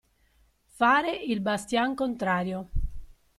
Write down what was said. Fare il bastian contrario.